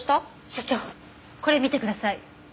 所長これ見てください。